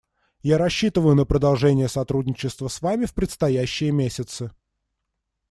Я рассчитываю на продолжение сотрудничества с Вами в предстоящие месяцы.